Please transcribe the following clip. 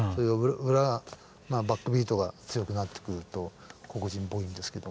バックビートが強くなってくると黒人っぽいんですけども。